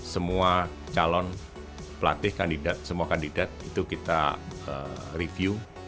semua calon pelatih kandidat semua kandidat itu kita review